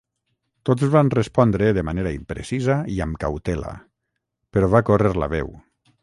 Tots van respondre de manera imprecisa i amb cautela, però va córrer la veu.